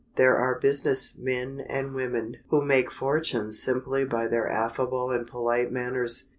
There are business men and women who make fortunes simply by their affable and polite manners.